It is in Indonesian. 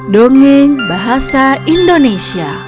dongeng bahasa indonesia